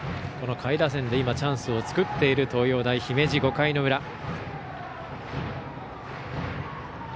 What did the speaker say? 下位打線で今、チャンスを作っている東洋大姫路５回の裏。